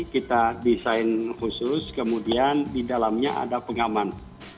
kita desain khusus kemudian di dalamnya ada pengaman